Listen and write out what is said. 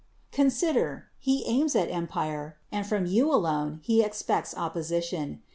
Consider, he aims at empire, and from you alone he expects opposition.